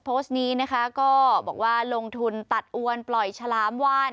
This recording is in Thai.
โพสต์นี้นะคะก็บอกว่าลงทุนตัดอวนปล่อยฉลามวาน